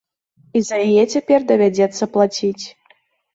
І за яе цяпер давядзецца плаціць.